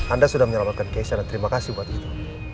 anda sudah menyelamatkan keisha dan terima kasih buat itu